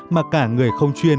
mà cả người không chuyên